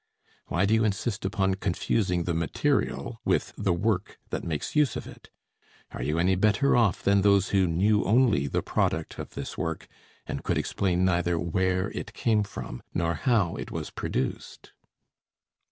Why do you insist upon confusing the material with the work that makes use of it? Are you any better off than those who knew only the product of this work, and could explain neither where it came from nor how it was produced?